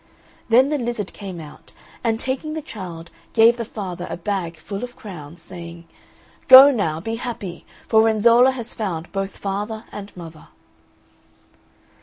Then the lizard came out, and taking the child gave the father a bag full of crowns, saying, "Go now, be happy, for Renzolla has found both father and mother."